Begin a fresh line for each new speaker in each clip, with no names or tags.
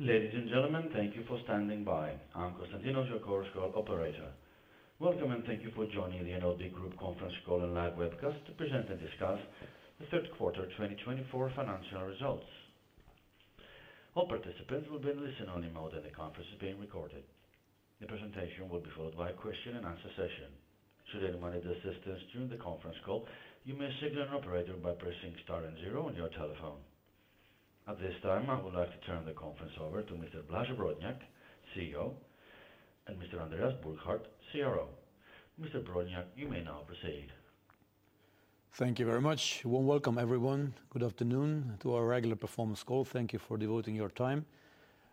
Ladies and gentlemen, thank you for standing by. I'm Konstantinos, your Chorus Call operator. Welcome and thank you for joining the NLB Group conference call and live webcast to present and discuss the third quarter 2024 financial results. All participants will be in listen-only mode and the conference is being recorded. The presentation will be followed by a question and answer session. Should anyone need assistance during the conference call, you may signal an operator by pressing 0 on your telephone. At this time I would like to turn the conference over to Mr. Blaž Brodnjak, CEO and Mr. Andreas Burkhardt, CRO. Mr. Brodnjak, you may now proceed.
Thank you very much. Warm welcome, everyone. Good afternoon to our regular performance call. Thank you for devoting your time.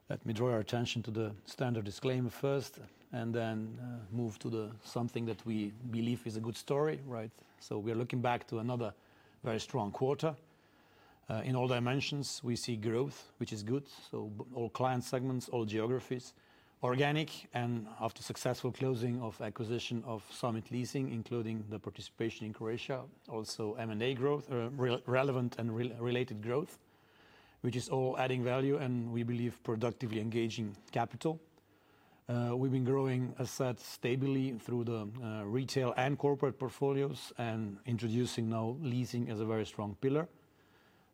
Let me draw our attention to the standard disclaimer first and then move to. Something that we believe is a good story. Right? So we are looking back to another. Very strong quarter in all dimensions. We see growth, which is good. So all client segments, all geographies organic and after successful closing of acquisition of Summit Leasing, including the participation in Croatia, also M&A growth relevant and related growth, which is all adding value and we believe productively engaging capital. We've been growing assets stably through the retail and corporate portfolios and introducing now leasing as a very strong pillar.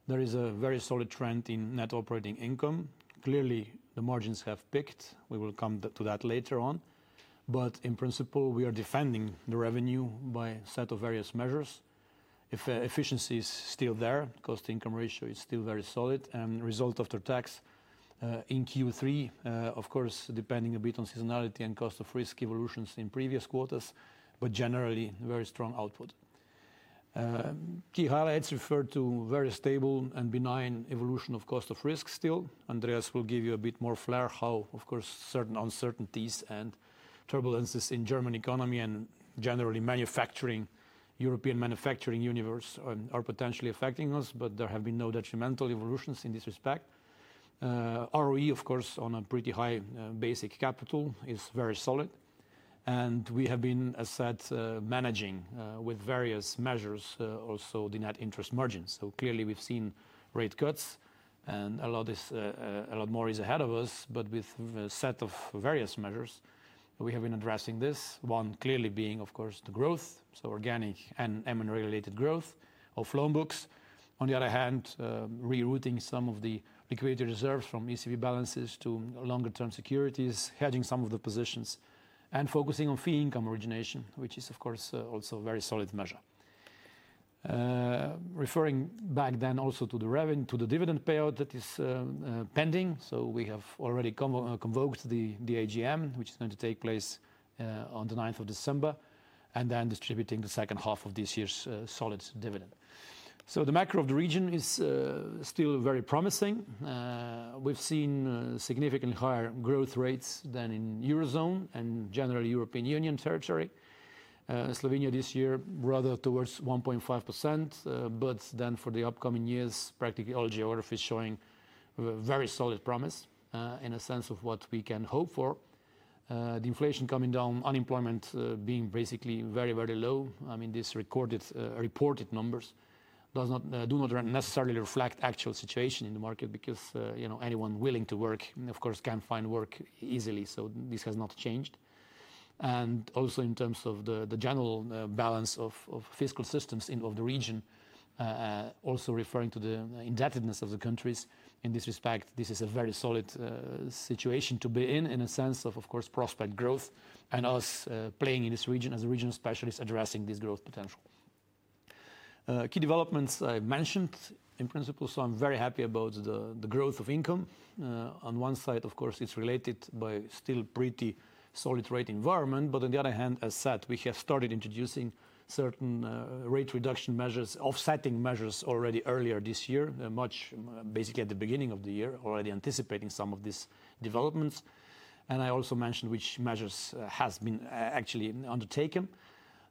There is a very solid trend in net operating income. Clearly the margins have picked. We will come to that later on. But in principle we are defending the revenue by a set of various measures. If efficiency is still there, cost income. Ratio is still very solid and result. After tax in Q3. Of course, depending a bit on seasonality. Cost of risk evolutions in previous. Quarters, but generally very strong output. Key highlights refer to very stable and. Benign evolution of cost of risk. Still, Andreas will give you a bit. Moreover, however, of course, certain uncertainties and turbulences in German economy and generally. Manufacturing European manufacturing universe are potentially affecting. Us, but there have been no detrimental evolutions in this respect. ROE, of course on a pretty high. Basic capital is very solid and we. Have been, as said, managing with various measures also the net interest margins. So clearly we've seen rate cuts and a lot more is ahead of us. But with a set of various measures we have been addressing. This one clearly being of course the growth so organic and regulated growth of loan books. On the other hand, rerouting some of the liquidity reserves from ECB balances to longer term securities, hedging some of the positions and focusing on fee income origination, which is of course also a very solid measure. Referring back then also to the revenue to the dividend payout that is pending. So we have already convened the AGM which is going to take place on the 9th of December and then distributing the second half of this year's solid dividend. So the macro of the region is still very promising. We've seen significantly higher growth rates than in Eurozone and generally European Union territory Slovenia this year rather towards 1.5%. But then for the upcoming years practically all geographies showing very solid promise in a sense of what we can hope for. The inflation coming down, unemployment being basically very, very low. I mean, this recorded reported numbers do not necessarily reflect actual situation in the market because you know, anyone willing to work, of course can find work easily. So this has not changed. And also in terms of the general balance of fiscal systems of the region, also referring to the indebtedness of the countries in this respect, this is a very solid situation to be in in a sense of of course prospect growth and us playing in this region as a regional specialist addressing this growth potential. Key developments I mentioned in principle. So I'm very happy about the growth of income. On one side, of course it's related by still pretty solid rate environment. But on the other hand, as said. We have started introducing certain rate reduction. Measures, offsetting measures already earlier this year. Much basically at the beginning of the. We're already anticipating some of these developments. And I also mentioned which measures has been actually undertaken.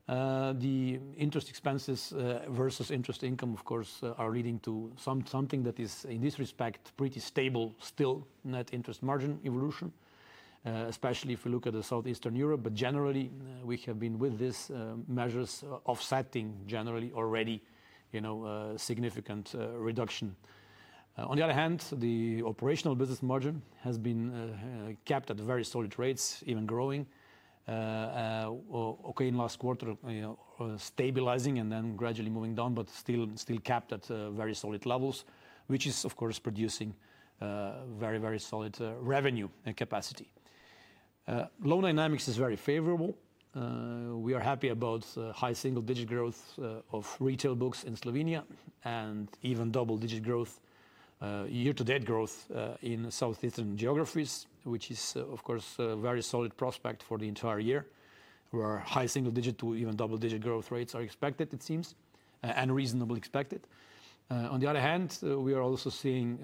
The interest expenses versus interest income, of course, are leading to something that is in this respect pretty stable. Still, net interest margin evolution, especially if we look at Southeastern Europe. But generally, we have been with these measures offsetting generally already significant reduction. On the other hand, the operational business margin has been kept at very solid rates, even growing okay in last quarter, stabilizing and then gradually moving down, but still capped at very solid levels, which is of course producing very, very solid revenue and capacity. Loan dynamics is very favorable. We are happy about high single-digit growth of retail books in Slovenia and. Even double-digit growth year to date. Growth in southeastern geographies, which is of course a very solid prospect for the entire year where high single digit to even double digit growth rates are expected, it seems, and reasonably expected. On the other hand, we are also seeing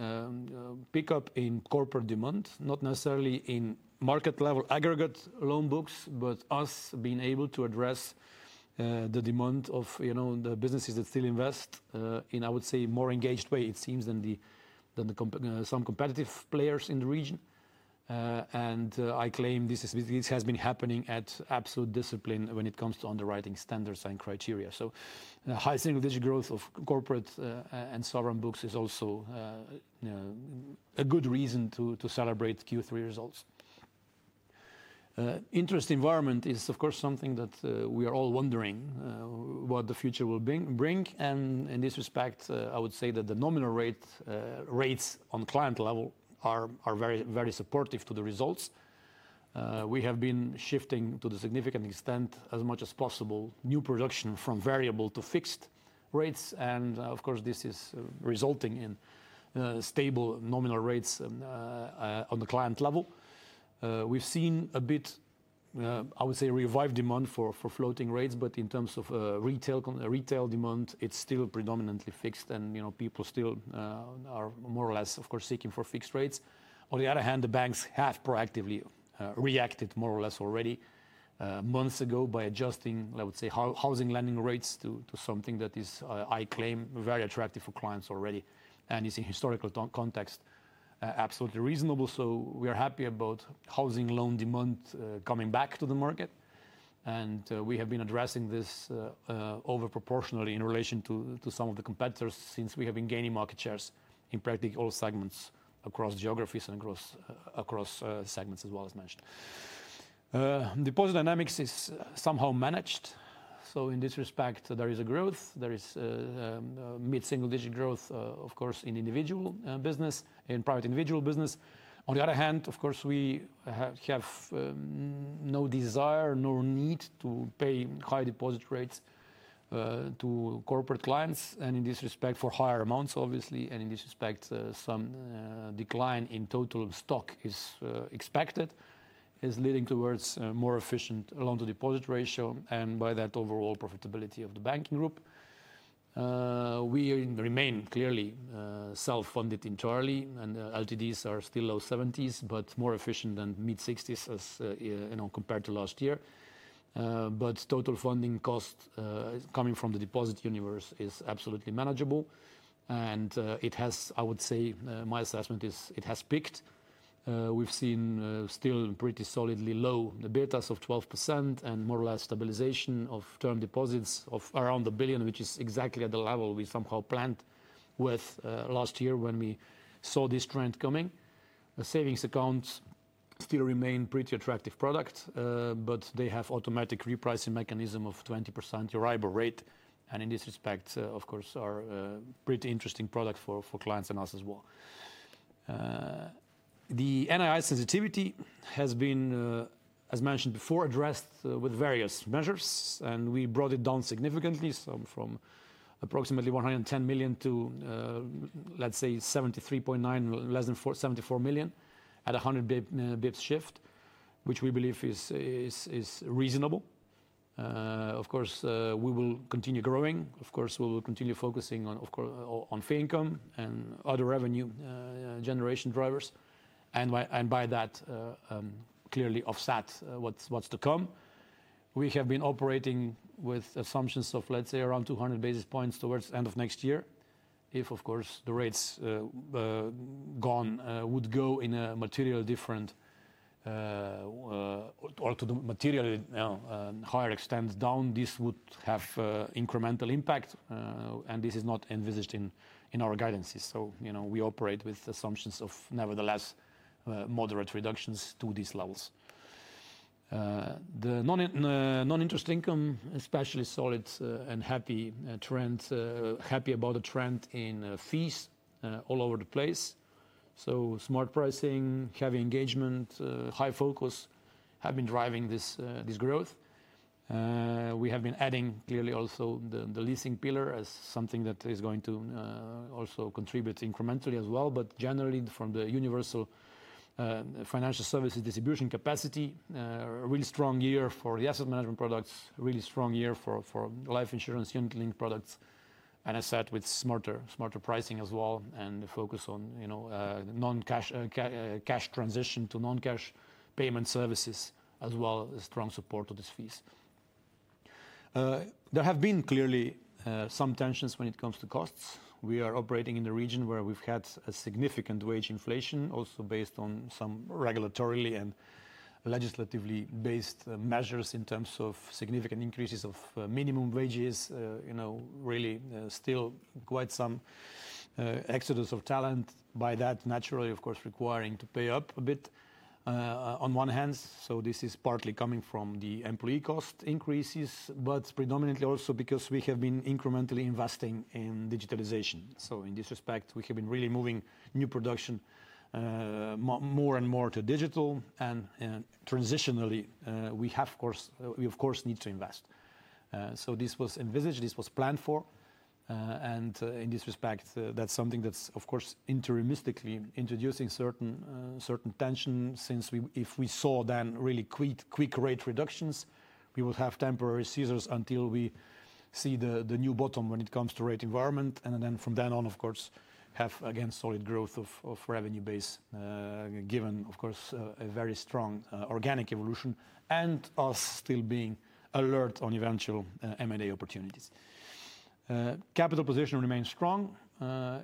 pickup in corporate demand, not necessarily in market level aggregate loan books, but us being able to address the demand of the businesses that still invest in I would say more engaged way it seems than some competitive players in the region. And I claim this has been happening at absolute discipline when it comes to underwriting standards and criteria. So high single digit growth of corporate and sovereign books is also a good reason to celebrate Q3 results. Interest environment is of course something that we are all wondering what the future will bring. And in this respect I would say that the nominal rates on client level are very supportive to the results. We have been shifting to the significant extent as much as possible new production from variable to fixed rates. And of course this is resulting in stable nominal rates on the client level. We've seen a bit, I would say revive demand for floating rates but in terms of retail demand it's still predominantly fixed and you know, people still are more or less of course seeking for fixed rates. On the other hand, the banks have proactively reacted more or less already months ago by adjusting let's say housing lending rates to something that is I claim very attractive for clients already and is in historical context absolutely reasonable. So we are happy about housing loan demand coming back to the market and we have been addressing this over proportionally in relation to some of the competitors since we have been gaining market shares in practically all segments across geographies and across segments as well. As mentioned, deposit dynamics is somehow managed. So in this respect there is a growth, there is mid single digit growth of course in individual business, in private individual business. On the other hand, of course, we have no desire nor need to pay high deposit rates to corporate clients, and in this respect, for higher amounts obviously, and in this respect some decline in total deposit stock is expected, leading towards more efficient loan-to-deposit ratio and by that overall profitability of the banking group. We remain clearly self-funded entirely, and LTDs are still low 70s% but more efficient than mid 60s% compared to last year. But total funding cost coming from the deposit universe is absolutely manageable, and it has, I would say my assessment is it has peaked. We've seen still pretty solidly low betas of 12% and more or less stabilization of term deposits of around 1 billion, which is exactly at the level we somehow planned with last year when we saw this trend coming. The savings accounts still remain pretty attractive products but they have automatic repricing mechanism of 20% arrival rate and in this respect of course are pretty interesting product for clients and us as well. The NII sensitivity has been as mentioned before, addressed with various measures and we brought it down significantly so from approximately 110 million to let's say 73.9 million, less than 74 million at 100 basis points shift which we believe is reasonable. Of course we will continue growing, of course we will continue focusing on fee income and, and other revenue generation drivers and by that clearly offset what's to come. We have been operating with assumptions of, let's say around 200 basis points towards the end of next year. If of course the rates gone would go in a material different. Or to. The materially higher extent down, this would have incremental impact, and this is not envisaged in our guidances, so we operate with assumptions of nevertheless moderate reductions to these levels. The non-interest income especially solid and healthy trend, happy about the trend in fees all over the place, so smart pricing, heavy engagement, high focus have been driving this growth. We have been adding clearly also the leasing pillar as something that is going to also contribute incrementally as well, but generally from the universal financial services distribution capacity. A really strong year for the asset management products, really strong year for life insurance unit-linked products, and as said with smarter pricing as well and the focus on cash transition to non-cash payment services as well, strong support of these fees. There have been clearly some tensions when it comes to costs. We are operating in the region where we've had a significant wage inflation also based on some regulatory and legislatively based measures in terms of significant increases of minimum wages. You know, really still quite some exodus of talent by that naturally of course requiring to pay up a bit on one hand. So this is partly coming from the employee cost increases, but predominantly also because we have been incrementally investing in digitalization. So in this respect we have been really moving new production more and more to digital and transitionally we of course need to invest. So this was envisaged, this was planned for. And in this respect that's something that's of course introducing certain tension since if we saw then really quick rate reductions, we would have temporary squeezes until we see the new bottom when it comes to rate environment. And then from then on of course have again solid growth of revenue base. Given of course a very strong organic evolution and us still being alert on eventual MA opportunities. Capital position remains strong.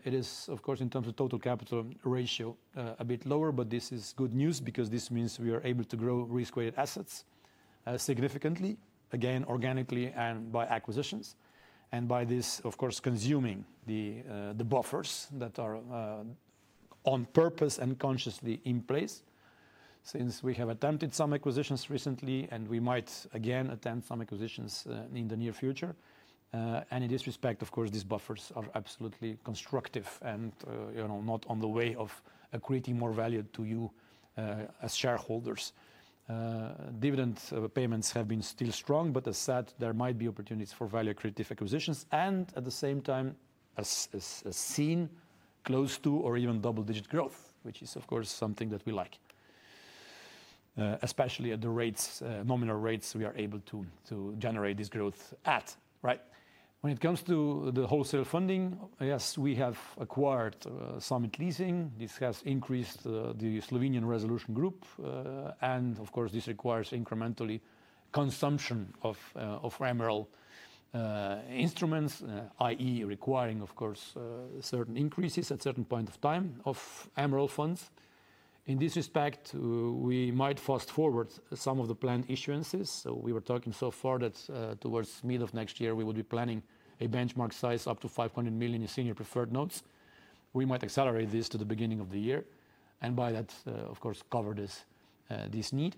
It is of course in terms of. Total capital ratio a bit lower. But this is good news because this means we are able to grow risk-weighted assets significantly again organically and by acquisitions and by this, of course, consuming the buffers that are on purpose and. Consciously in place since we have attempted. Some acquisitions recently and we might again. Attempt some acquisitions in the near future. And in this respect, of course, these buffers are absolutely constructive and not in the way of accreting more value to you as shareholders. Dividend payments have been still strong, but. As such, there might be opportunities for. Value-accretive acquisitions and, at the same time, a scene close to or even. Double-digit growth, which is of course something that we like, especially at the rates, nominal rates, we are able to generate this growth at, right. When it comes to the wholesale funding, yes, we have acquired Summit Leasing. This has increased the Slovenian resolution group and of course this requires incremental consumption of MREL instruments. That is requiring of course certain increases at certain point of time of MREL funds. In this respect we might fast-forward some of the planned issuances. So we were talking so far that towards mid of next year we would be planning a benchmark size up to 500 million in senior preferred notes. We might accelerate this to the beginning of the year and by that of course cover this need.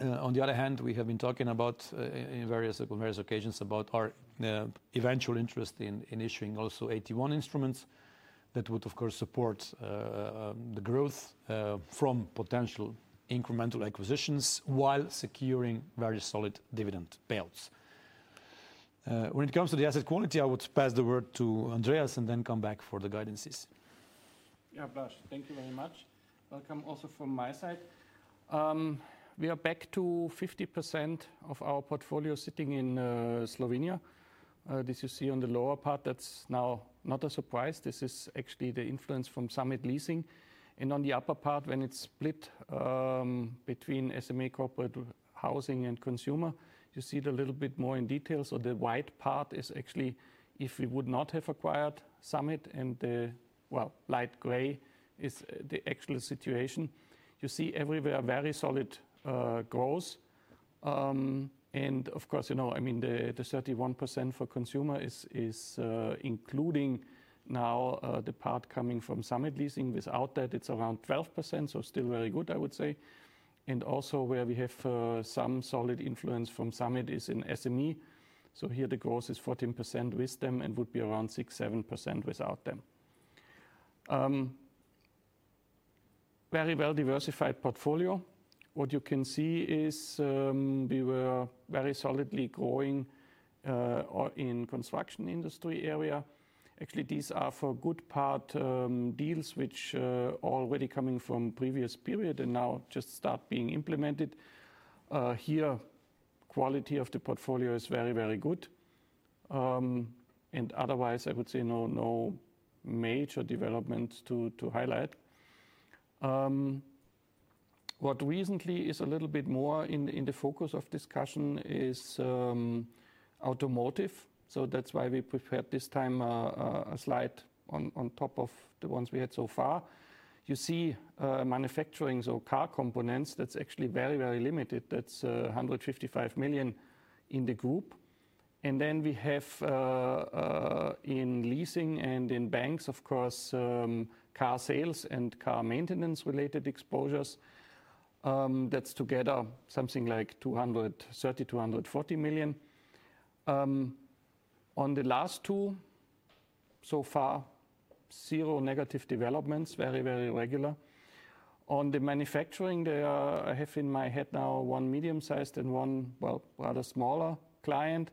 On the other hand, we have been talking about on various occasions about our eventual interest in issuing also AT1 instruments. That would of course support the growth. From potential incremental acquisitions while securing very solid dividend payouts. When it comes to the asset quality. I would pass the word to Andreas and then come back for the guidances.
Thank you very much. Welcome. Also from my side we are back to 50% of our portfolio sitting in Slovenia. This you see on the lower part that's now not a surprise. This is actually the influence from Summit Leasing and on the upper part when it's split between SME, corporate, housing and consumer, you see it a little bit more in detail. So the white part is actually if we would not have acquired Summit. Well, light gray is the actual situation you see everywhere. Very solid growth. And of course, you know, I mean the 31% for consumer is including now the part coming from Summit Leasing. Without that it's around 12%. So still very good I would say. And also where we have some solid influence from Summit is in SME. So here the growth is 14% with them and would be around 6%-7% without them. Very well diversified portfolio. What you can see is we were very solidly growing in construction industry area. Actually these are for good part deals which already coming from previous period and now just start being implemented here. Quality of the portfolio is very, very good and otherwise I would say no major developments to highlight. What recently is a little bit more in the focus of discussion is automotive. So that's why we prepared this time a slide on top of the ones we had so far. You see manufacturing or car components, that's actually very, very limited. That's 155 million in the group. And then we have in leasing and in banks of course, car sales and car maintenance related exposures. That's together something like 230-240 million on the last two so far, zero negative developments. Very, very regular on the manufacturing. I have in my head now one medium-sized and one, well, rather smaller client.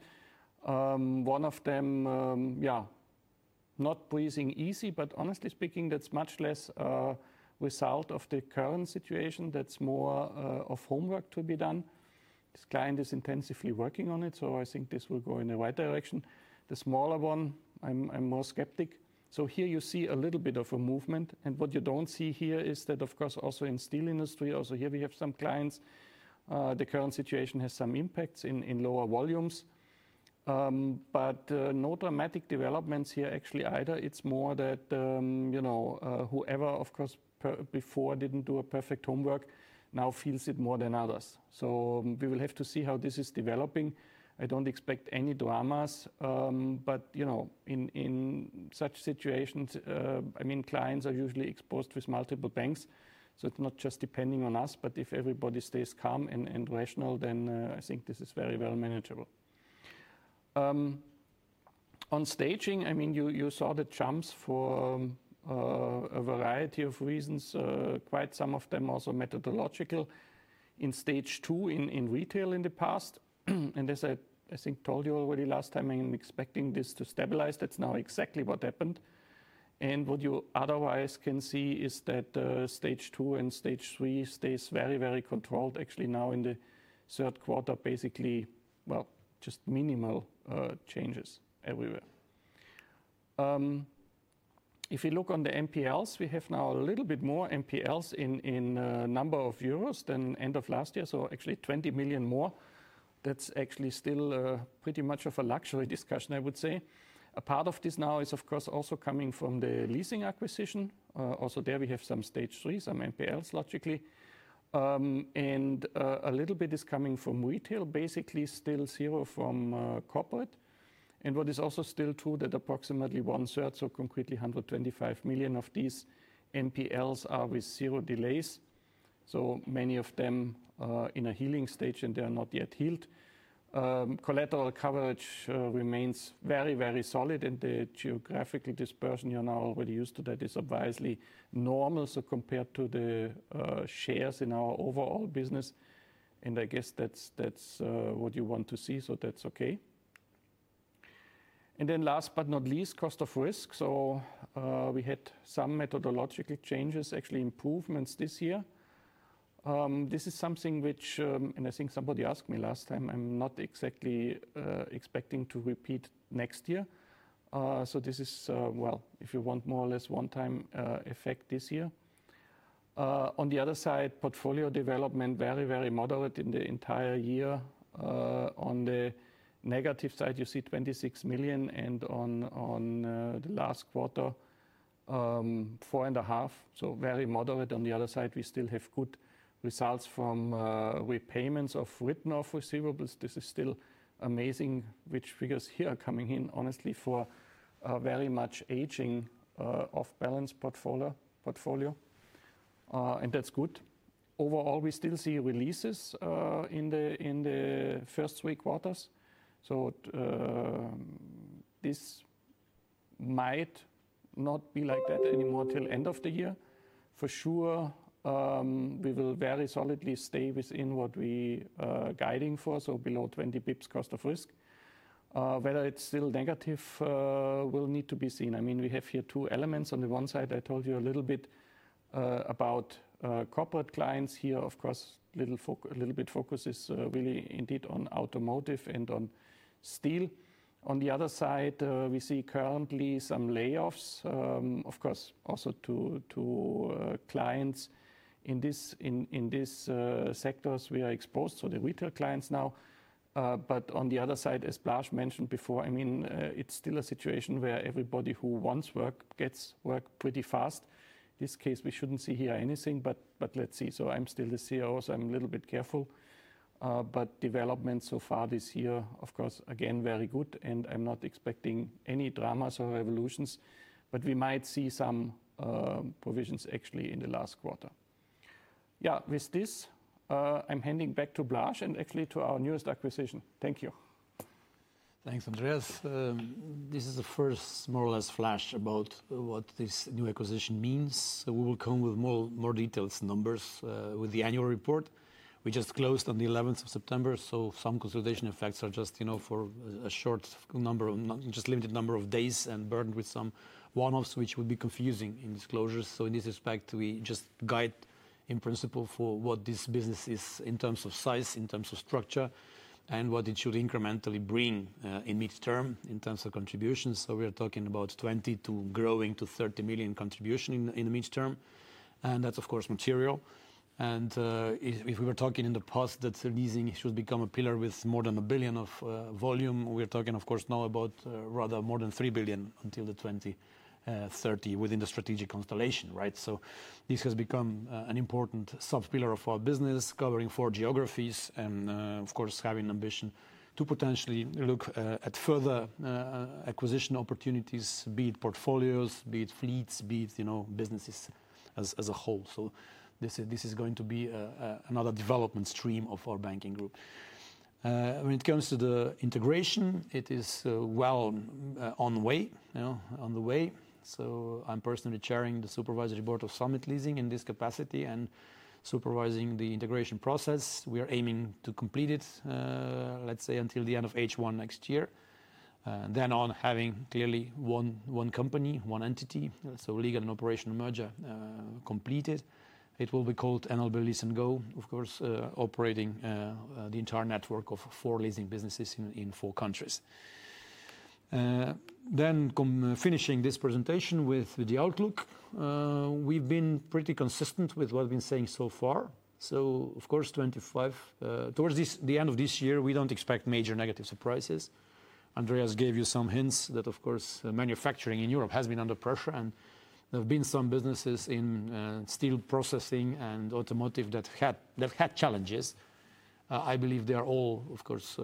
One of them, yeah, not breathing easy, but honestly speaking, that's much less result of the current situation. That's more of homework to be done. This client is intensively working on it. So I think this will go in the right direction. The smaller one, I'm more skeptical. So here you see a little bit of a movement and what you don't see here is that of course also in steel industry also here we have some clients. The current situation has some impacts in lower volumes, but no dramatic developments here actually either. It's more that whoever of course before didn't do a perfect homework, now feels it more than others. We will have to see how this is developing. I don't expect any dramas, but in such situations clients are usually exposed with multiple banks. It's not just depending on us, but if everybody stays calm and rational then I think this is very well manageable. On staging you saw the jumps for a variety of reasons, quite some of them also methodological in Stage 2 in retail in the past and as I think told you already last time, I am expecting this to stabilize. That's now exactly what happened. What you otherwise can see is that Stage 2 and Stage 3 stays very, very controlled. Actually now in the third quarter basically, well just minimal changes everywhere. If you look on the NPLs, we have now a little bit more NPLs in number of euros than end of last year. Actually 20 more. That's actually still pretty much of a luxury discussion, I would say. A part of this now is of course also coming from the leasing acquisition. Also there we have some Stage 3, some NPLs logically and a little bit is coming from retail, basically still zero from corporate. What is also still true is that approximately one third. So concretely 125 million of these NPLs are with zero delays. So many of them in a healing stage and they are not yet healed. Collateral coverage remains very, very solid and the geographical dispersion you're now already used to that is obviously normal. So compared to the shares in our overall business and I guess that's what you want to see, so that's okay. Then last but not least, cost of risk. So we had some methodological changes actually improvements this year. This is something which, and I think somebody asked me last time. I'm not exactly expecting to repeat next year. So this is, well, if you want more or less one time effect this year. On the other side, portfolio development very, very moderate in the entire year. On the negative side, you see 26 million and on the last quarter, quarter four and a half, so very moderate. On the other side, we still have good results from repayments of written-off receivables. This is still amazing. Which figures here coming in, honestly, for very much aging off-balance portfolio and that's good. Overall, we still see releases in the first three quarters. So this might not be like that anymore till end of the year for sure. We will very solidly stay within what we guiding for, so below 20 basis points cost of risk. Whether it's still negative will need to be seen. I mean we have here two elements. On the one side I told you a little bit about corporate clients. Here of course little, a little bit focus is really indeed on automotive and on steel. On the other side we see currently some layoffs of course also to clients in this sectors we are exposed to the retail clients now, but on the other side, as Blaž mentioned before, I mean it's still a situation where everybody who wants work gets work pretty fast. This case we shouldn't see here anything, but let's see. I'm still the CEO so I'm a little bit careful. Development so far this year of course again very good and I'm not expecting any dramas or revolutions but we might see some provisions actually in the last quarter. Yeah, with this I'm handing back to Blaž and actually to our newest acquisition. Thank you.
Thanks Andreas. This is the first more or less flash about what this new acquisition means. We will come with more detailed numbers with the annual report we just closed. On the 11th of September. So some consolidation effects are just, you. No, for a short number of just. Limited number of days and burdened with. Some one-offs which would be confusing in disclosures. So in this respect we just guide. In principle for what this business is. In terms of size, in terms of structure and what it should incrementally bring in mid-term in terms of contributions. So we are talking about 20 million, growing to 30 million contribution in the midterm. And that's of course material. And if we were talking in the past that leasing should become a pillar with more than a billion of volume, we're talking of course now about rather more than 3 billion until the 2030 within the strategic constellation. Right. This has become an important sub. Pillar of our business, covering four geographies. Of course having ambition to potentially look at further acquisition opportunities, be it portfolios, be it fleets, be it businesses as a whole. This is going to be another development stream of our banking group. When it comes to the integration, it is well on the way. I am personally chairing the supervisory board of Summit Leasing in this capacity and supervising the integration process. We are aiming to complete it, let's say until the end of H1 next year. Then on having clearly one company, one entity, so legal and operational merger completed, it will be called NLB Lease&Go, of course operating the entire network of four leasing businesses in four countries. Then finishing this presentation with the outlook. We have been pretty consistent with what we have been saying so far. Of course 25% towards the end of this year, we do not expect major negative surprises. Andreas gave you some hints that of course manufacturing in Europe has been under pressure and there have been some businesses in steel processing and automotive that had challenges. I believe they are all of course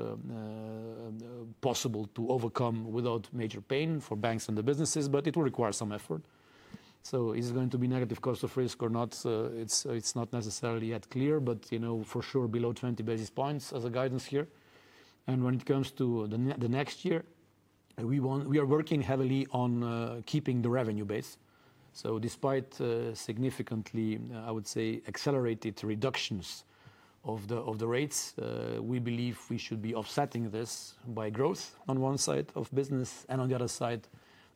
possible to overcome without major pain for banks and the businesses, but it will require some effort. So is it going to be negative cost of risk or not? It's not necessarily yet clear, but you know for sure below 20 basis points as a guidance here. And when it comes to the next. Year, we are working heavily on keeping the revenue base. So, despite significantly, I would say, accelerated reductions of the rates, we believe we should be offsetting this by growth on one side of business and on the other side,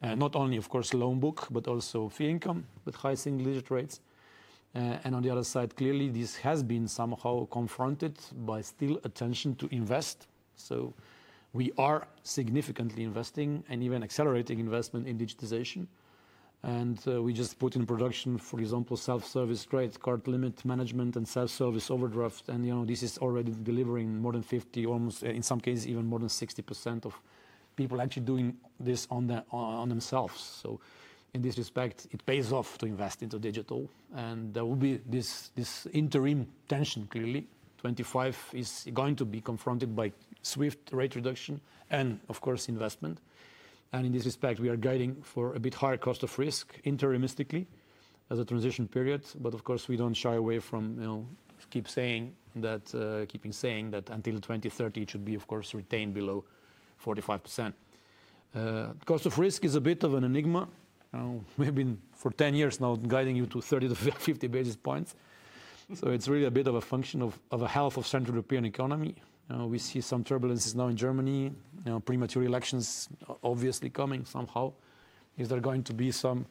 not only of course loan book, but also fee income with high single digit rates. And on the other side, clearly this has been somehow confronted by still intention to invest. So we are significantly investing and even accelerating investment in digitization. And we just put in production, for example, self service credit card limit management and self service overdraft. And you know, this is already delivering. More than 50, almost in some cases. Even more than 60% of people actually doing this on themselves. So in this respect it pays off to invest into digital and there will be this interim tension. Clearly 2025 is going to be confronted by swift rate reduction and of course investment. And in this respect we are guiding for a bit higher cost of risk interimistically as a transition period. But of course we don't shy away. We keep saying that until 2030 it should be of course retained below 45%. Cost of risk is a bit of an enigma. We've been for 10 years now guiding you to 30-50 basis points. So it's really a bit of a function of a health of Central European economy. We see some turbulence now in Germany, premature elections obviously coming somehow. Is there going to be some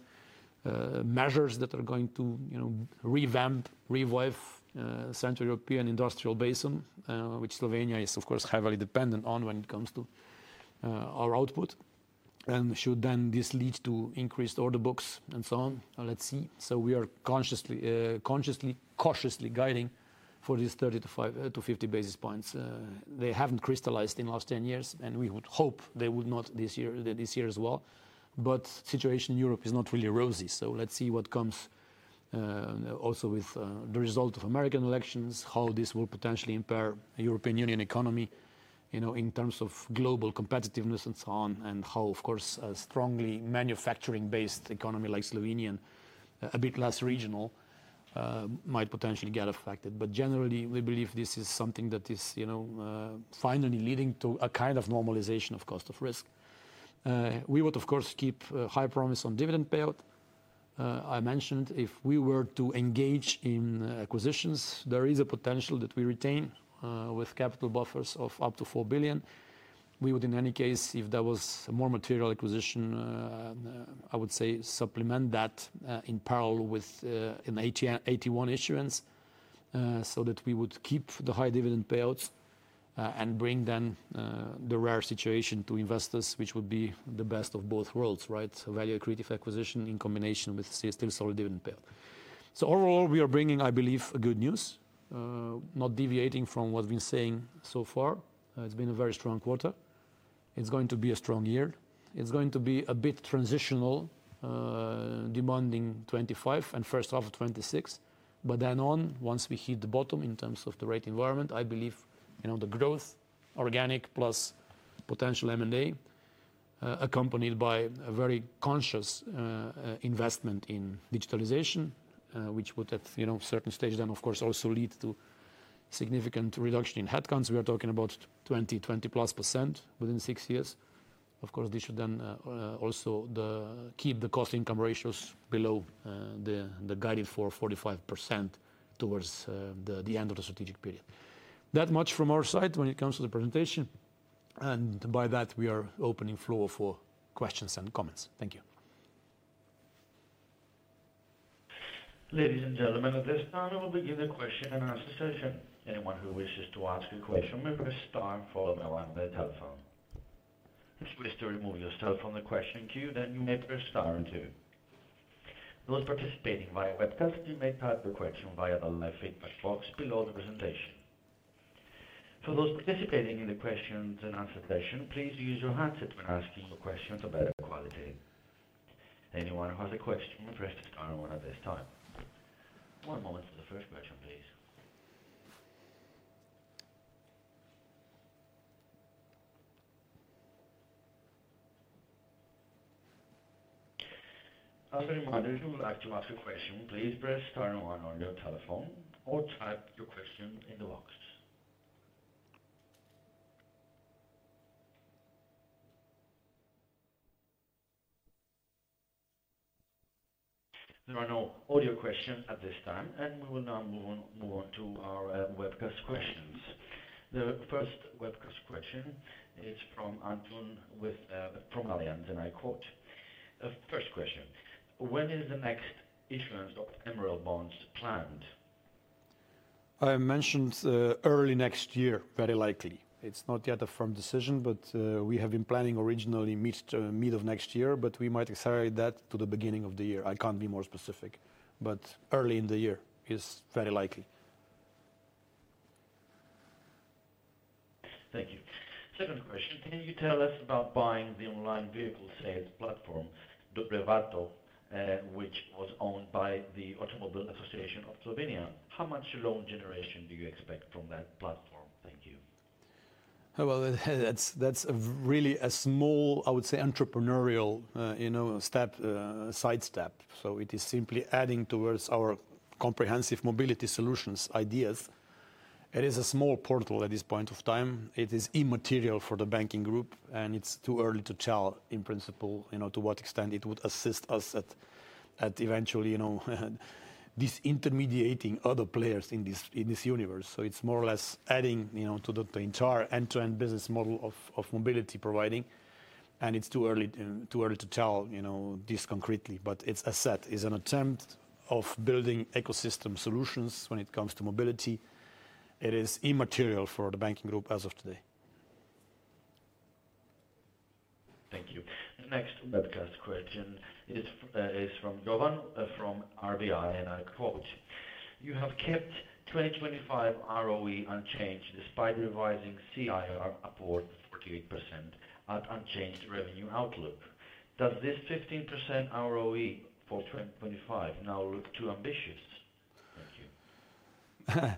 measures that are going to revamp, revive Central European industrial base, which Slovenia is of course heavily dependent on when it comes to our output and should then this leads to increased order books and so on. Let's see. So we are consciously, cautiously guiding for these 30-50 basis points. They haven't crystallized in last 10 years and we would hope they would not this year as well. But situation in Europe is not really rosy. Let's see what comes also with the result of American elections, how this will potentially impair European Union economy, you know, in terms of global competitiveness and so on. And how of course a strongly manufacturing based economy like Slovenian, a bit less regional, might potentially get affected. But generally we believe this is something that is, you know, finally leading to a kind of normalization of cost of risk. We would of course keep high promise on dividend payout. I mentioned if we were to engage in acquisitions, there is a potential that we retain with capital buffers of up to 4 billion. We would in any case, if there was a more material acquisition, I would say supplement that in parallel with an AT1 issuance so that we would keep the high dividend payouts and bring then the rare situation to investors which would be the best of both worlds, right? Value accretive acquisition in combination with still solid dividend payout. So overall, we are bringing, I believe. Good news, not deviating from what we've been saying so far. It's been a very strong quarter. It's going to be a strong year. It's going to be a bit transitional, demanding 2025 and first half of 2026, but then on, once we hit the bottom in terms of the rate environment, I believe the growth organic plus potential M&A accompanied by a very conscious investment in digitalization which would at a certain stage then of course also lead to significant reduction in headcounts. We are talking about 20-20+% within six years. Of course this should then also keep the cost income ratios below the guiding for 45% towards the end of the strategic period. That much from our side when it. Comes to the presentation and by that. We are opening the floor for questions and comments. Thank you.
Ladies and gentlemen. At this time we will begin the question and answer session. Anyone who wishes to ask a question may press star followed by one on the telephone. If you wish to remove yourself from the question queue, then you may press star and two. Those participating via webcast, you may type the question via online feedback box below the presentation. For those participating in the questions and answer session, please use your handset when asking a question for better quality. Anyone who has a question, press the star one at this time. One moment for the first question, please. As a reminder, if you would like to ask a question, please press star one on your telephone or type your question in the box. There are no audio questions at this time and we will now move on to our webcast questions. The first webcast question is from Anton with Allianz. First question, when is the next issuance of MREL bonds planned?
I mentioned early next year, very likely. It's not yet a firm decision, but we have been planning originally mid of next year, but we might accelerate that to the beginning of the year. I can't be more specific, but early in the year is very likely.
Thank you. Second question. Can you tell us about buying the online vehicles sales platform DoberAvto, which was owned by the Automobile Association of Slovenia? How much loan generation do you expect from that platform? Thank you.
Well, that's really a small, I would say, entrepreneurial sidestep. So it is simply adding towards our comprehensive mobility solutions ideas. It is a small portal at this point of time. It is immaterial for the banking group and it's too early to tell in principle to what extent it would assist us at eventually disintermediating other players in this universe. So it's more or less adding to the entire end-to-end business model of mobility providing. And it's too early to tell this concretely, but it's an attempt of building ecosystem solutions when it comes to mobility. It is immaterial for the banking group as of today.
Thank you. The next webcast question is from Jovan from RBI and I quote, “You have kept 2025 ROE unchanged despite revising CIR upward 48% at unchanged revenue outlook. Does this 15% ROE for 2025 now look too ambitious?” Thank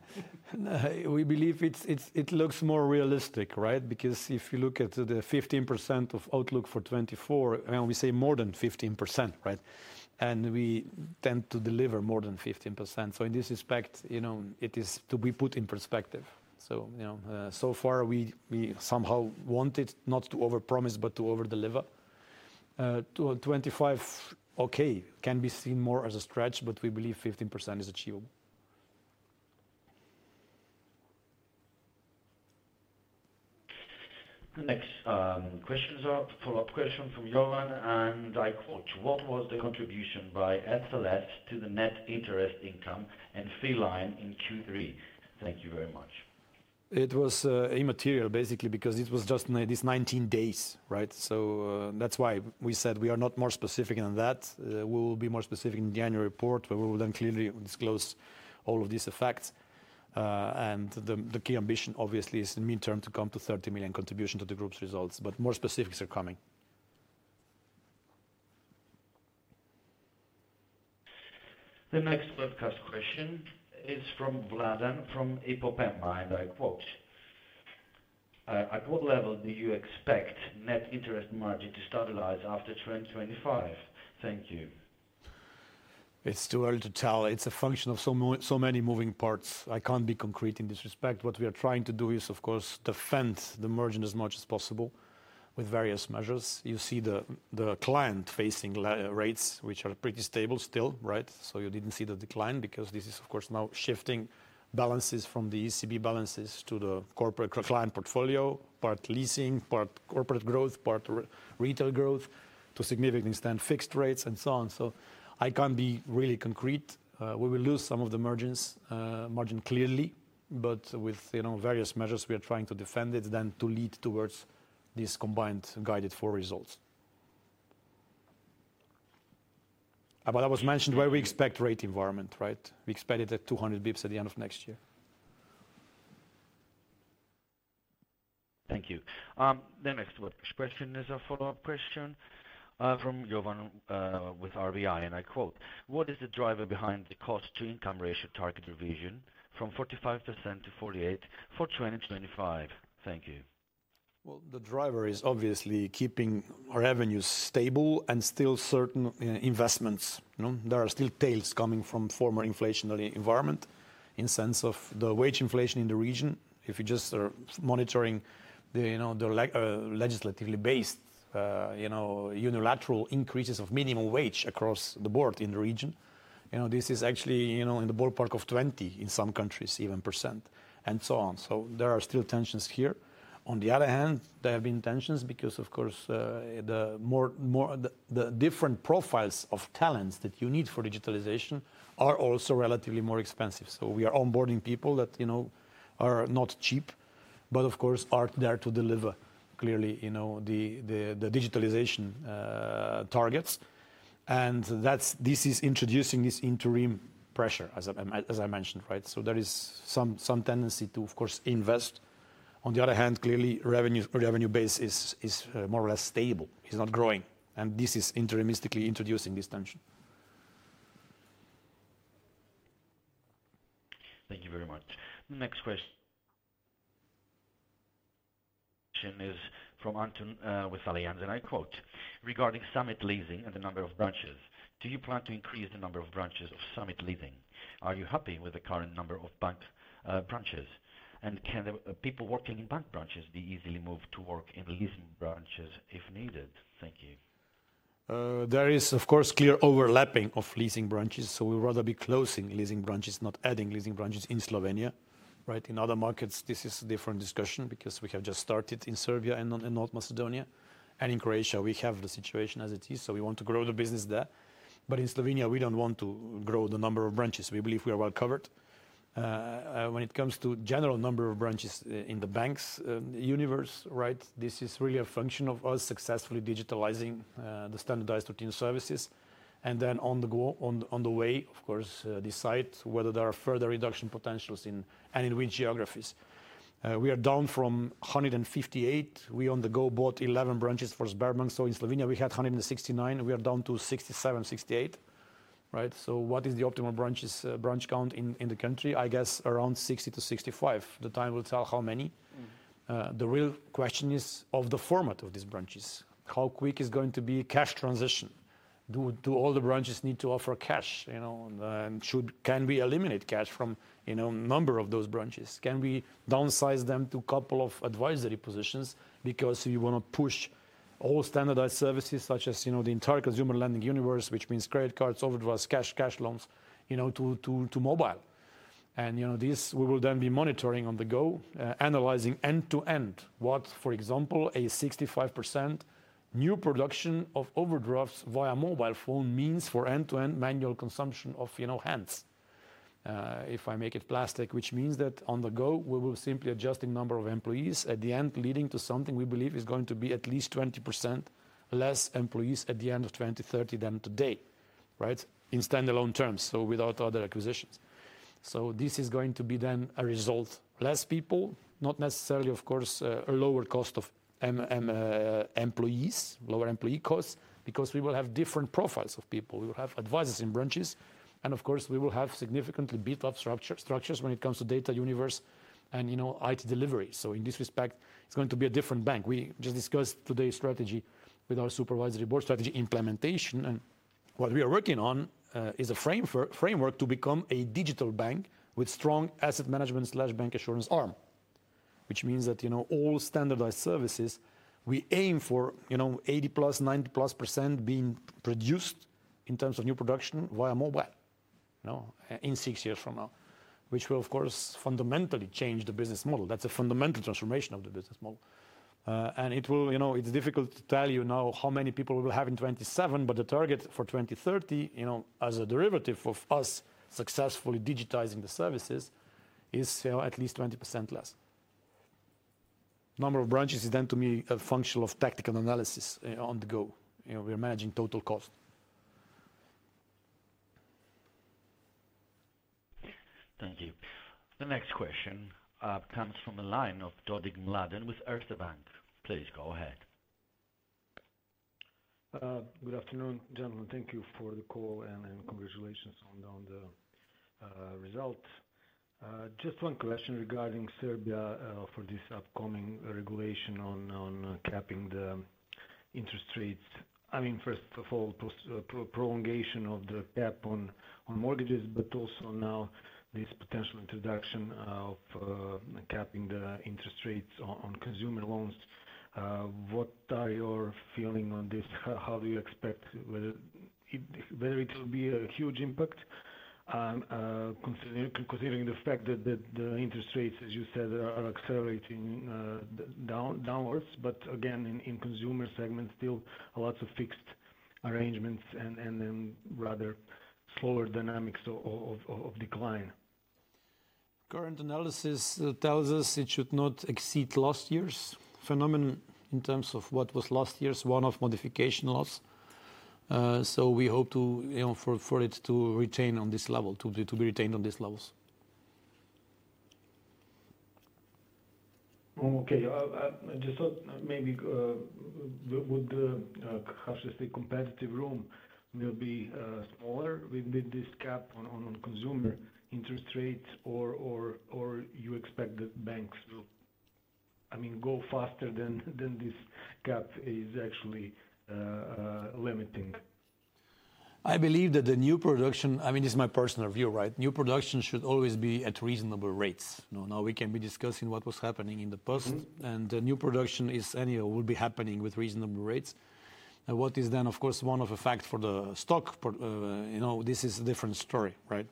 you.
We believe it looks more realistic. Right. Because if you look at the 15% of outlook for 2024, we say more than 15%. Right? We tend to deliver more than 15%. So in this respect, you know, it. Is to be put in perspective. So you know, so far we somehow wanted not to over promise but to over deliver 25%. Okay, can be seen more as a stretch, but we believe 15% is achievable.
The next question is a follow-up question from Jovan and I quote, what was the contribution by SLS to the net interest income and fee income in Q3 thank you very much.
It was immaterial basically because it was just this 19 days. Right? So that's why we said we are not more specific than that. We will be more specific in January report but we will then clearly disclose all of these effects, and the key ambition obviously is in midterm to come to 30 million contribution to the group's results, but more specifics are coming.
The next webcast question is from Vladan from Ipopema, and I quote. At what. level do you expect net interest margin to stabilize after 2025? Thank you.
It's too early to tell. It's a function of so many moving parts. I can't be concrete in this respect. What we are trying to do is of course defend the margin as much as possible with various measures. You see the client facing rates which are pretty stable still. Right? So you didn't see the decline because this is of course now shifting balances from the ECB balances to the corporate client portfolio, part leasing, part corporate growth, part retail growth to significant stand fixed rates and so on. So I can't be really concrete. We will lose some of the margin clearly, but with various measures we are trying to defend it then to lead towards these combined guided four results. But as I mentioned where we expect rate environment, right? We expect it at 200 basis points at the end of next year.
Thank you. The next question is a follow up question from Jovan with RBI and I quote, "What is the driver behind the cost to income ratio? Target revision from 45%-48% for 2025." Thank you.
The driver is obviously keeping revenues stable, and still certain investments. There are still tails from former inflationary environment in sense of the wage inflation in the region. If you just are monitoring the legislatively based unilateral increases of minimum wage across the board in the region. This is actually in the ballpark of 20% in some countries even and so on. There are still tensions here. On the other hand, there have been tensions because, of course, the different profiles of talents that you need for digitalization are also relatively more expensive. We are onboarding people that are not cheap, but of course are there to deliver clearly the digitalization targets, and this is introducing this interim pressure as I mentioned, so there is some tendency to, of course, invest. On the other hand, clearly revenue base is. Is more or less stable, is not growing and this is intermittently introducing this tension.
Thank you very much. Next question is from Anton with Allianz and I quote regarding Summit Leasing and the number of branches, do you plan to increase the number of branches of Summit Leasing? Are you happy with the current number of bank branches and can people working in bank branches be easily moved to work in leasing branches if needed? Thank you.
There is of course clear overlapping of leasing branches. So we'd rather be closing leasing branches, not adding leasing branches. In Slovenia. Right. In other markets this is a different discussion because we have just started in Serbia and North Macedonia and in Croatia we have the situation as it is, so we want to grow the business there, but in Slovenia we don't want to grow the number of branches. We believe we are well covered when it comes to general number of branches in the banks universe. Right. This is really a function of us successfully digitalizing the standardized routine services and then on the go on the way, of course decide whether there are further reduction potentials in and in which geographies. We are down from 158. We on the go bought 11 branches for Sberbank. So in Slovenia we had 169. We are down to 67, 68. So what is the optimal branch count in the country? I guess around 60-65. The time will tell how many. The real question is of the format of these branches. How quick is going to be cash transition? Do all the branches need to offer cash? Can we eliminate cash from a number of those branches? Can we downsize them to a couple of advisory positions? Because we want to push all standardized services such as the entire consumer lending universe, which means credit cards, overdrafts, cash loans to mobile, and this we will then be monitoring on the go, analyzing end to end. What, for example, a 65% new production. Offer overdrafts via mobile phone means for end-to-end manual consumption of hands. If I make it plastic, which means that on the go we will simply adjust the number of employees at the end, leading to something we believe is going to be at least 20% less employees at the end of 2030 than today. Right. In standalone terms. So without other acquisitions. So this is going to be then a result of less people, not necessarily, of course, a lower cost of employees. Lower employee costs because we will have different profiles of people. We will have advisors in branches and of course we will have significantly built up structures when it comes to data universe and IT delivery. So in this respect it's going to. Be a different bank. We just discussed today's strategy with our supervisory board strategy implementation and what we. Are working on is a framework to become a digital bank with strong asset management bancassurance arm, which means that all standardized services we aim for 80+ 90+ % being produced in terms of new production via mobile in. Six years from now, which will of. course fundamentally change the business model. That's a fundamental transformation of the business model, and it's difficult to tell you now how many people we will have in 2027, but the target for 2030 as a derivative of our successfully digitizing the services. Is at least 20% less. Number of branches is then to me a function of tactical analysis on the go. We are managing total cost.
Thank you. The next question comes from the line of Mladen Dodig with Erste Group. Please go ahead.
Good afternoon, gentlemen. Thank you for the call and congratulations on the result. Just one question regarding Serbia for this upcoming regulation on capping the interest rates. I mean, first of all prolongation of the cap on mortgages, but also now this potential introduction of capping the interest rates on consumer loans. What are your feeling on this? How do you expect whether it will be a huge impact considering the fact that the interest rates, as you said, are accelerating downwards. But again in consumer segments still lots of fixed arrangements and then rather slower dynamics of decline.
Current analysis tells us it should not. Exceeds last year's performance in terms of what was last year's one-off modification loss. So we hope for it to retain on this level.
Okay, I just thought maybe would. How should I say, competitive room will be smaller with this cap on consumer interest rates or you expect that banks will, I mean, go faster than this gap is actually limiting?
I believe that the new production, I mean, this is my personal view, right? New production should always be at reasonable rates. Now, we can be discussing what was happening in the past, and the new production is anyhow will be happening with reasonable rates. What is then, of course, one of the facts for the stock. You know, this is a different story, right?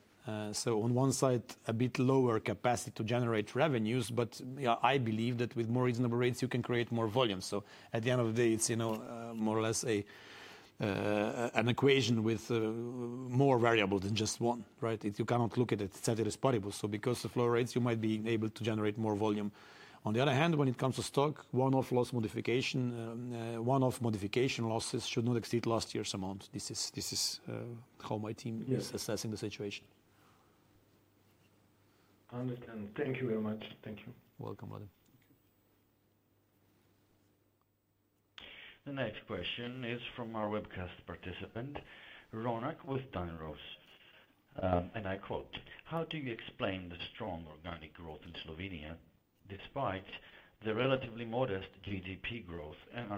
So, on one side, a bit lower capacity to generate revenues, but I believe that with more reasonable rates, you can create more volume. So, at the end of the day, it's more or less an equation with more variables than just one. You cannot look at it, set it as part of it. So, because of flow rates, you might be able to generate more volume. On the other hand, when it comes to stock, one-off loss modification, one-off modification losses should not exceed last year's amount. This is how my team is assessing the situation.
Thank you very much. Thank you.
Welcome.
The next question is from our webcast participant Ronak with Dynrose and I quote, how do you explain the strong organic growth in Slovenia despite the relatively modest GDP growth and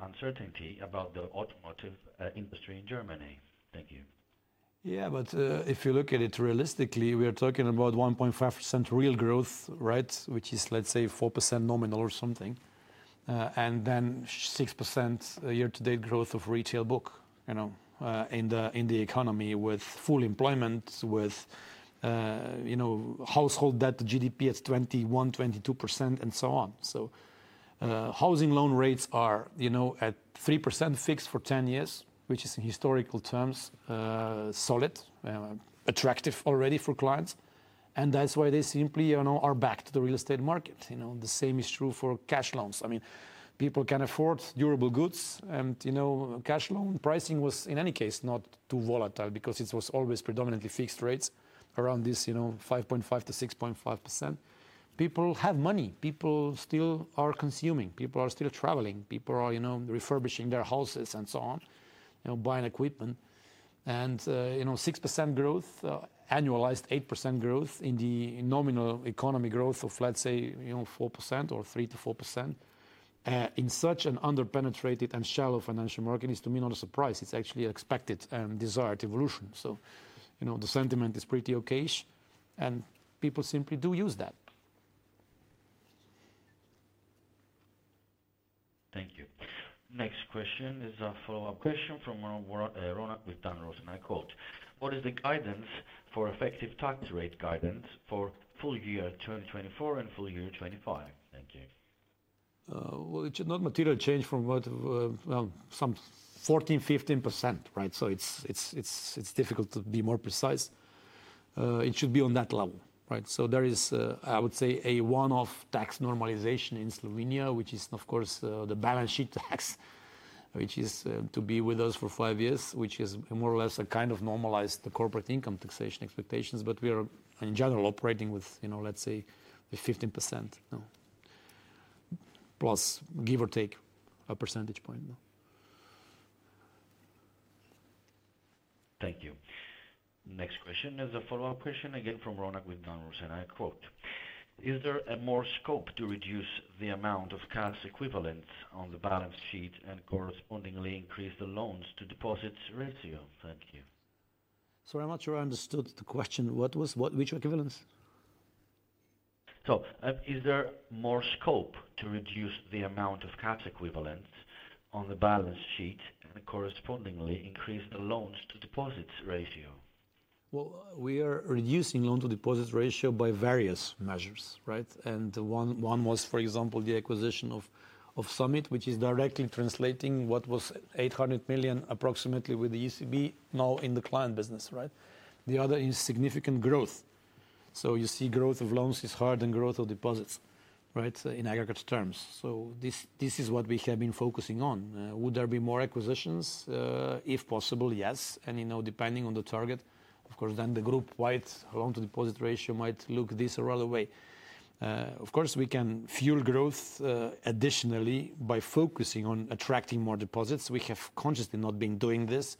uncertainty about the automotive industry in Germany? Thank you.
Yeah, but if you look at it realistically, we are talking about 1.5% real growth, right? Which is, let's say, 4% nominal or. Something and then 6% year-to-date. Growth of retail book in the economy with full employment, with household debt to GDP at 21%-22% and so on. Housing loan rates are at 3% fixed for 10 years, which is in historical terms solid attractive already for clients. That's why they simply are back to the real estate market. The same is true for cash loans. I mean, people can afford durable goods. Cash loan pricing was in any case not too volatile because it was always predominantly fixed rates around this 5.5%-6.5%. People have money, people still are consuming, people are still traveling, people are refurbishing their houses and so on, buying equipment and you know, 6% growth annualized, 8% growth in the nominal economy. Growth of let's say, you know, 4% or 3%-4% in such an underpenetrated and shallow financial market is to me not a surprise. It's actually expected and desired evolution. You know, the sentiment is pretty okayish and people simply do use that.
Thank you. Next question is a follow-up question from Ronak with Dynrose and I quote, what is the guidance for effective tax rate guidance for full year 2024 and full year 2025. Thank you.
It should not materially change from what, some 14%-15%. Right. So it's difficult to be more precise. It should be on that level. So there is, I would say, a one-off tax normalization in Slovenia, which is of course the balance sheet tax, which is to be with us for five years, which is more or less a kind of normalized corporate income taxation expectations. But we are in general operating with, let's say, 15%+, give or take a percentage point.
Thank you. Next question is a follow-up question again from Ronak with Dynrose and I quote, "Is there more scope to reduce the amount of cash equivalents on the balance sheet and correspondingly increase the loan-to-deposit ratio?" Thank you, sir.
I'm not sure I understood the question. What was which equivalence?
So is there more scope to reduce the amount of cash equivalents on the balance sheet and correspondingly increase the loan-to-deposit ratio?
We are reducing loan-to-deposit. Ratio by various measures. Right. And one was for example, the acquisition of Summit, which is directly translating what was 800 million approximately with the ECB now in the client business. Right. The other is significant growth. So you see growth of loans is hard and growth of deposits right in aggregate terms. So this is what we have been focusing on. Would there be more acquisitions if possible? Yes. And you know, depending on the target. Of course, then the group-wide loan. Loan-to-deposit ratio might look like this right away. Of course we can fuel growth additionally by focusing on attracting more deposits. We have consciously not been doing this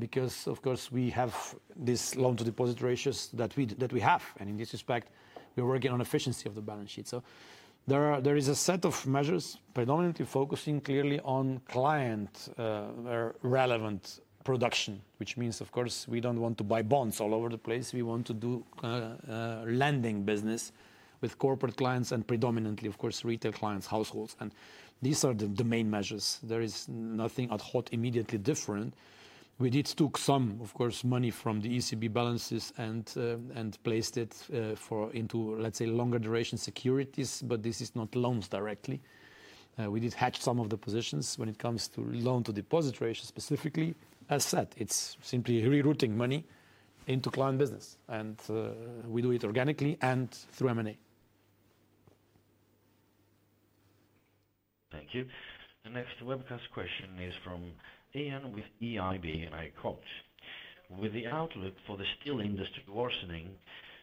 because of course we have this loan-to-deposit ratios that we have. In this respect we're working on efficiency of the balance sheet. There is a set. Of measures predominantly focusing clearly on client. Relevant production, which means of course we. Don't want to buy bonds all over the place. We want to do lending business with corporate clients and predominantly of course retail clients, households, and these are the main measures. There is nothing at heart immediately different. We did take some of course money. From the ECB balances and placed it into, let's say, longer duration securities. But this is not loans directly. We did hedge some of the positions when it comes to loan-to-deposit. Ratio, specifically as said, it's simply rerouting. Money into client business and we do it organically and through M&A.
Thank you. The next webcast question is from Ian with EIB and I quote, with the outlook for the steel industry worsening,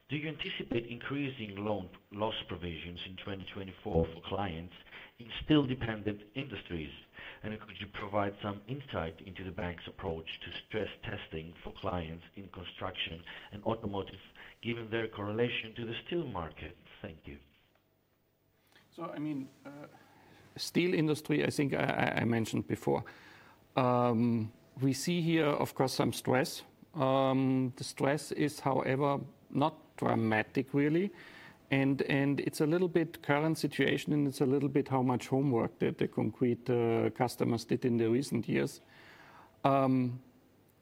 do you anticipate increasing loan loss provisions in 2024 for clients in steel dependent industries? And could you provide some insight into the bank's approach to stress testing for clients in construction and automotive given their correlation to the steel market? Thank you.
So, I mean, steel industry. I think I mentioned before we see here, of course, some stress. The stress is, however, not dramatic really, and it's a little bit current situation and it's a little bit how much homework that the concrete customers did in the recent years.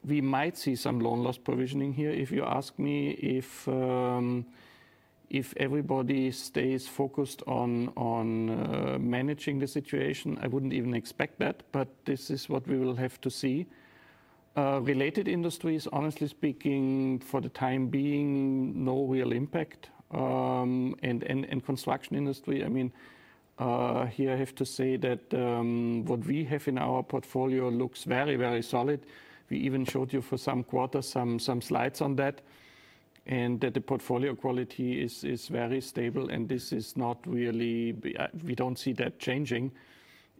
We might see some loan loss provisioning here. If you ask me, if everybody stays focused on managing the situation, I wouldn't even expect that. But this is what we will have to see. Related industries, honestly speaking, for the time being, no real impact, and construction industry. I mean, here I have to say that what we have in our portfolio looks very, very solid. We even showed you, for some quarters, some slides on that, and that the portfolio quality is very stable, and this is not really. We don't see that changing.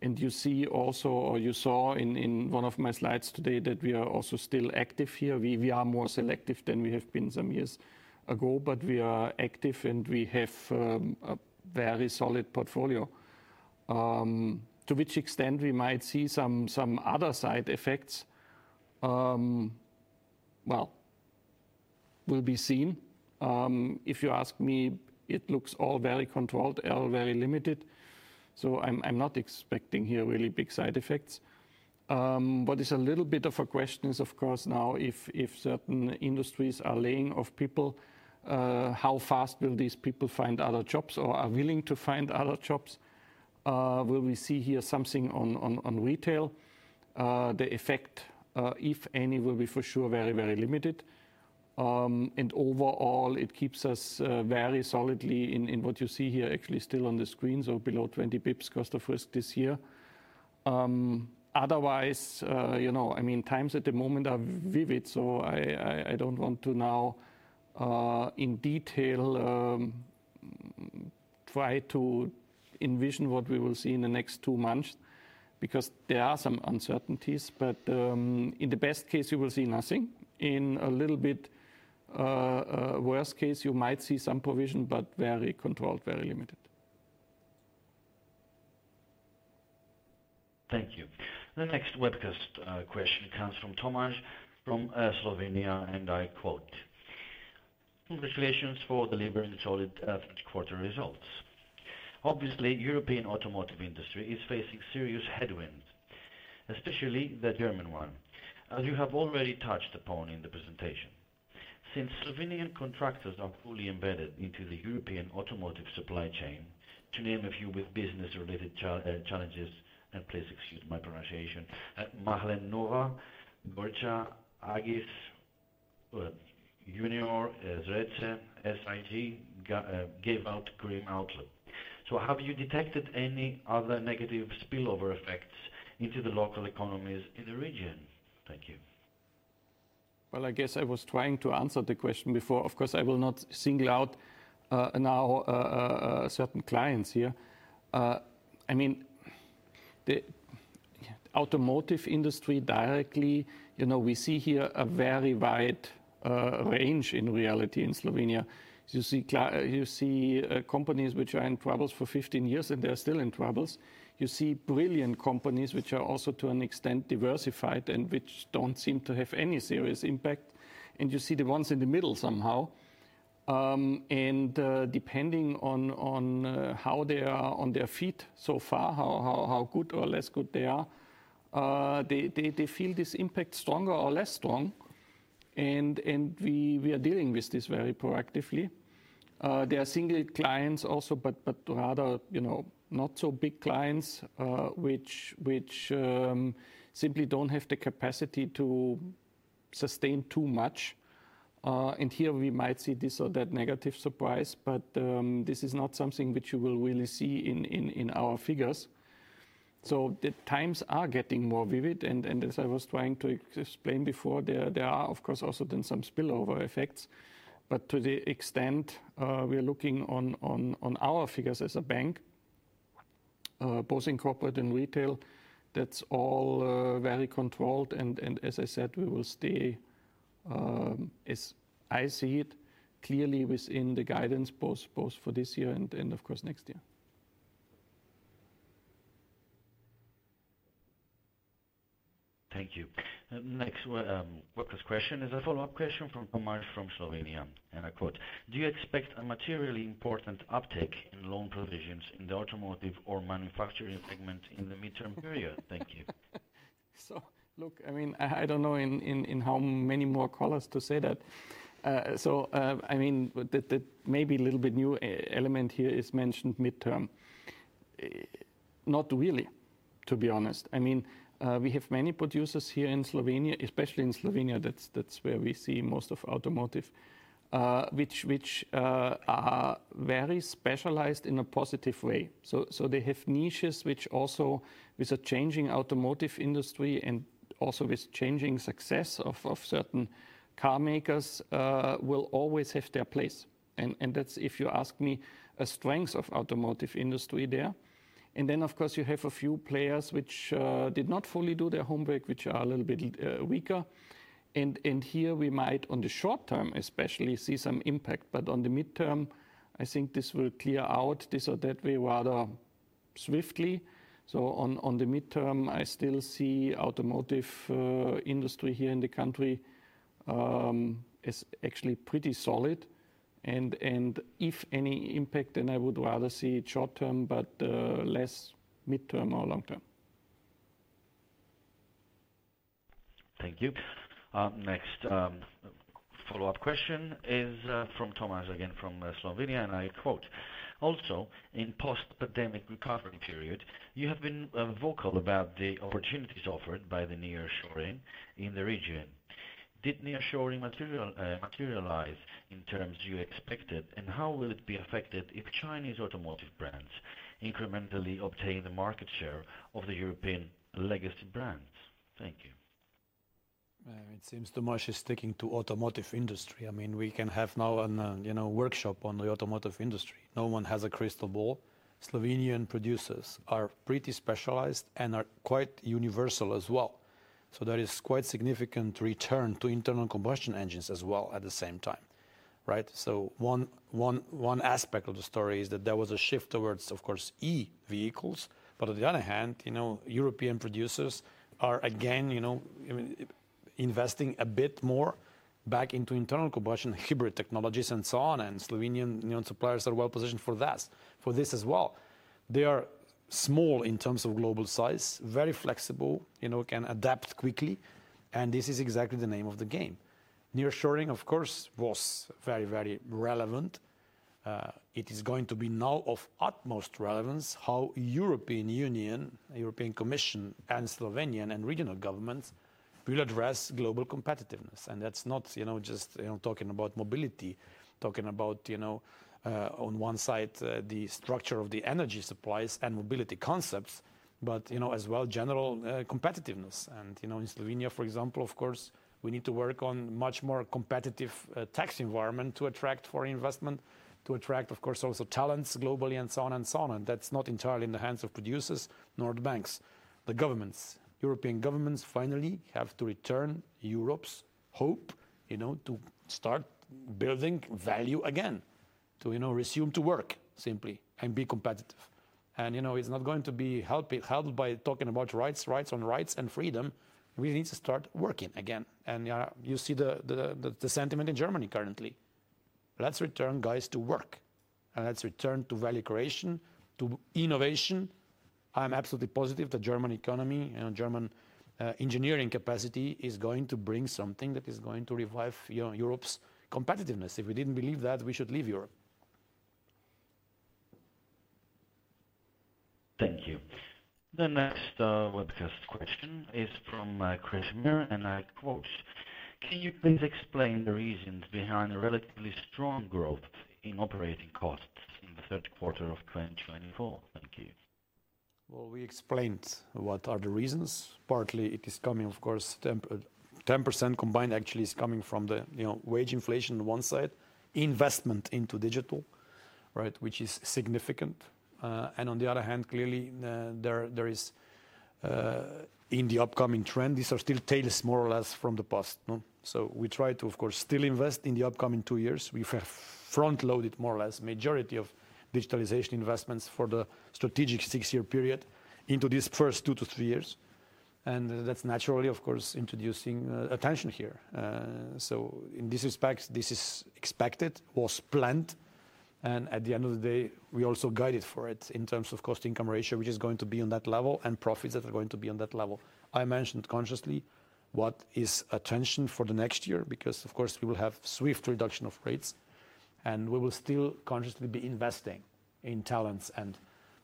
You see also, or you saw in one of my slides today, that we are also still active here. We are more selective than we have been some years ago, but we are active and we have a very solid portfolio. To which extent we might see some other side effects, well, will be seen. If you ask me, it looks all very controlled, all very limited. So I'm not expecting here really big side effects. What is a little bit of a question is, of course now, if certain industries are laying off people, how fast will these people find other jobs or are willing to find other jobs? Will we see here something on retail? The effect, if any, will be for sure very, very limited, and overall it keeps us very solidly in what you see here actually still on the screen. So below 20 basis points cost of risk this year. Otherwise, you know, I mean, times at the moment are fluid. So I don't want to now in detail try to envision what we will see in the next two months because there are some uncertainties. But in the best case you will see nothing. In a little bit worse case you might see some provision, but very controlled, very limited.
Thank you. The next webcast question comes from Tomaž from Slovenia and I quote, congratulations for delivering solid quarter results. Obviously European automotive industry is facing serious headwinds, especially the German one, as you have already touched upon in the presentation, since Slovenian contractors are fully embedded into the European automotive supply chain, to name a few, with business-related challenges and please excuse my pronunciation, Mahle Nova, Agis, Unior, Zreče, SIJ gave out grim outlook. So have you detected any other negative spillover effects into the local economies in the region? Thank you.
I guess I was trying to answer the question before. Of course, I will not single out now certain clients here. I mean the automotive industry directly. You know, we see here a very wide range. In reality, in Slovenia, you see companies which are in troubles for 15 years and they're still in troubles. You see brilliant companies which are also to an extent diversified and which don't seem to have any serious impact, and you see the ones in the middle somehow, and depending on how they are on their feet so far, how good or less good they are, they feel this impact stronger or less strong, and we are dealing with this very proactively. They are single clients also, but rather not so big clients which simply don't have the capacity to sustain too much. And here we might see this or that negative surprise, but this is not something which you will really see in our figures. So the times are getting more vivid. And as I was trying to explain before, there are of course also then some spillover effects. But to the extent we are looking on our figures as a bank, both in corporate and retail, that's all very controlled. And as I said, we will stay, as I see it, clearly within the guidance, both for this year and of course next year, you.
Thank you. Next worker's question is a follow up question from Slovenia and I quote, Do you expect a materially important uptick in loan provisions in the automotive or manufacturing segment in the midterm period? Thank you.
So look, I mean, I don't know in how many more colors to say that. So I mean maybe a little bit new element here is mentioned midterm. Not really to be honest. I mean we have many producers here in Slovenia, especially in Slovenia. That's, that's where we see most of automotive which, which are very specialized in a positive way. So, so they have niches which also with a changing automotive industry and also with changing success of certain carmakers will always have their place. And that's if you ask me, a strength of automotive industry there. And then of course you have a few players which did not fully do their homework, which are a little bit weaker. And here we might on the short term especially see some impact. But on the midterm I think this will clear out this or that way rather swiftly. So, on the midterm, I still see automotive industry here in the country is actually pretty solid, and if any impact, then I would rather see it short term but less mid term or long term.
Thank you. Next follow-up question is from Tomaž, again from Slovenia, and I quote: Also in post-pandemic recovery period you have been vocal about the opportunities offered by the nearshoring in the region. Did nearshoring materialize in terms you expected and how will it be affected if Chinese automotive brands incrementally obtain the market share of the European legacy brands? Thank you.
It seems Tomaž is sticking to automotive industry. I mean, we can have now a workshop on the automotive industry. No one has a crystal ball. Slovenian producers are pretty specialized and are quite universal as well. So there is quite significant return to internal combustion engines as well at the same time. Right. So one aspect of the story is that there was a shift towards, of course, E-vehicles. But on the other hand, European producers are again investing a bit more back into internal combustion hybrid technologies and so on. And Slovenian suppliers are well positioned for. That, for this as well. They are small in terms of global size, very flexible, you know, can adapt quickly and this is exactly the name of the game. Nearshoring of course was very, very relevant. It is going to be now of utmost relevance how European Union, European Commission and Slovenian and regional governments will address global competitiveness. And that's not, you know, just, you know, talking about mobility, talking about, you know, on one side the structure of the energy supplies and mobility concepts but you know as well general competitiveness. And you know, in Slovenia for example, of course we need to work on much more competitive tax environment to attract foreign investment, to attract of course also. Talents globally and so on and so on. That's not entirely in the hands of producers nor the banks, the governments. European governments finally have to return Europe's hope to start building value again, to. Resume to work simply and be competitive, and it's not going to be helped. By talking about rights, rights on rights and freedom. We need to start working again. You see the sentiment in Germany currently. Let's return guys to work, let's return to value creation, to innovation. I'm absolutely positive the German economy and German engineering capacity is going to bring. Something that is going to revive Europe's competitiveness. If we didn't believe that we should leave Europe.
Thank you. The next webcast question is from Krešimir and I quote, can you please explain the reasons behind a relatively strong growth in operating costs in the third quarter of 2024? Thank you.
We explained what are the reasons. Partly it is coming, of course. 10% combined actually is coming from the wage inflation. On one side investment into digital which is significant and on the other hand clearly there is in the upcoming trend. These are still tails more or less from the past. So we try to of course still invest in the upcoming two years. We first front loaded more or less majority of digitalization investments for the strategic six year period into these first two to three years and that's naturally of course introducing tension here. So in this respect this is expected was planned and at the end of the day we also guided for it in terms of cost-income ratio which is going to be on that level and profits that are going to be on that level. I mentioned consciously what is the intention for the next year because of course we will have swift reduction of rates and. We will still consciously be investing in. Talents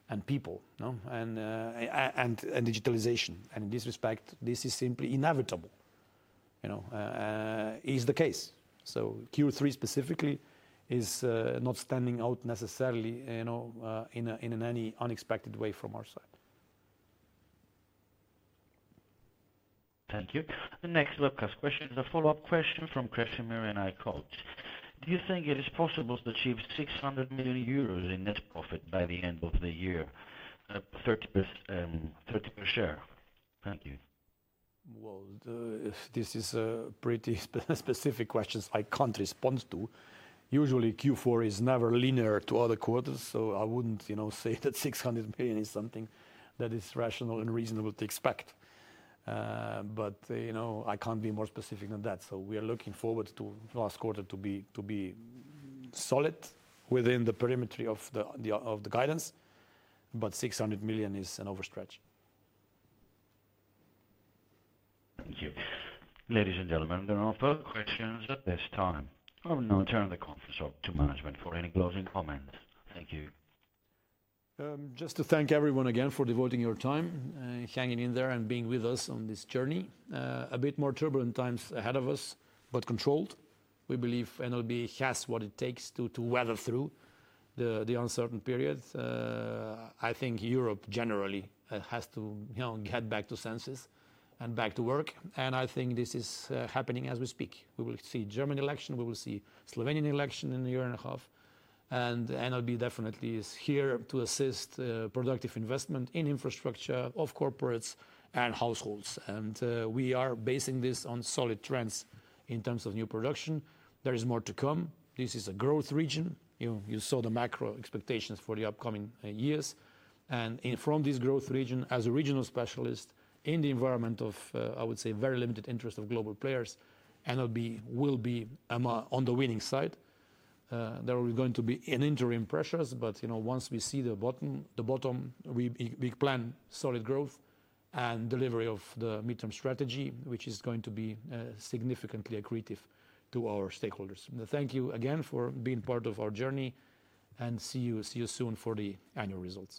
and people and digitalization. And in this respect this is simply inevitable is the case. So Q3 specifically is not standing out necessarily in any unexpected way from our side.
Thank you. The next webcast question is a follow-up question from Krešimir and Ian. Do you think it is possible to achieve 600 million euros in net profit by the end of the year? 30 per share. Thank you.
This is pretty specific questions I can't respond to. Usually Q4 is never linear to other quarters. I wouldn't say that 600 million is something that is rational and reasonable to expect. But you know, I can't be more specific than that. We are looking forward to last quarter to be solid within the perimeter of the guidance. But 600 million is an overstretch.
Thank you ladies and gentlemen. There are no further questions at this time. I will now turn the conference over to management for any closing comments. Thank you.
Just to thank everyone again for devoting. Your time hanging in there and being with us on this journey. A bit more turbulent times ahead of us, but controlled. We believe NLB has what it takes to weather through the uncertain period. I think Europe generally has to get back to senses and back to work, and I think this is happening as we speak. We will see German election, we will see Slovenian election in a year and a half, and NLB definitely is here to assist productive investment in infrastructure of corporates and households, and we are basing this on solid trends in terms of new production. There is more to come. This is a growth region. You saw the macro expectations for the upcoming years, and from this growth region, as a regional specialist in the environment of, I would say, very limited interest of global players, NLB will be on the winning side. There is going to be an interim pressures, but you know, once we see the bottom, we plan solid growth and delivery of the midterm strategy which is going to be significantly accretive to our stakeholders. Thank you again for being part of our journey and see you soon for the annual results.